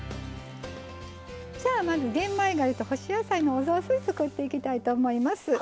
まず玄米がゆと干し野菜のお雑炊作っていきたいと思います。